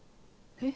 えっ。